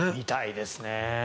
見たいですね。